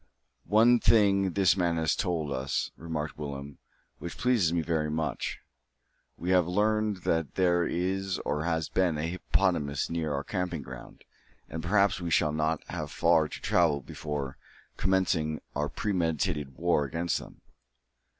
"One thing this man has told us," remarked Willem, "which pleases me very much. We have learnt that there is or has been a hippopotamus near our camping ground, and perhaps we shall not have far to travel before commencing our premeditated war against them."